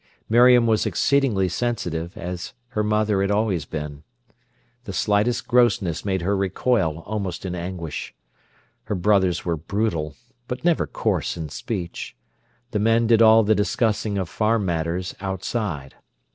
Miriam was exceedingly sensitive, as her mother had always been. The slightest grossness made her recoil almost in anguish. Her brothers were brutal, but never coarse in speech. The men did all the discussing of farm matters outside.